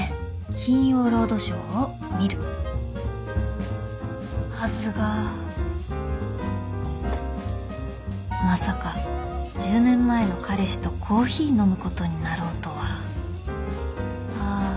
『金曜ロードショー』を見るはずがまさか１０年前の彼氏とコーヒー飲むことになろうとはあ